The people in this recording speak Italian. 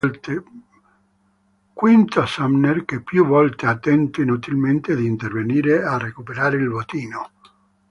V. Sumner, che più volte tentò inutilmente di intervenire a recuperare il bottino.